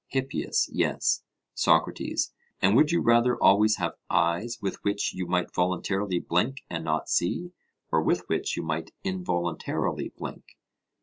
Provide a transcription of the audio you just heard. HIPPIAS: Yes. SOCRATES: And would you rather always have eyes with which you might voluntarily blink and not see, or with which you might involuntarily blink?